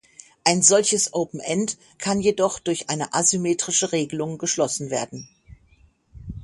Ein solches "Open-end" kann jedoch durch eine asymmetrische Regelung geschlossen werden.